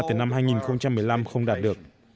từ năm hai nghìn một mươi năm không đạt được